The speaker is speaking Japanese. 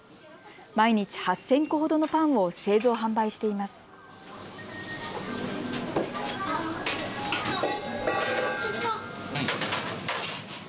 毎日８０００個ほどのパンを製造・販売しています。